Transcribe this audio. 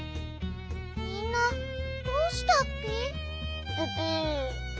みんなどうしたッピ？